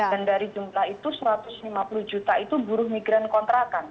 dan dari jumlah itu satu ratus lima puluh juta itu buruh migran kontrakan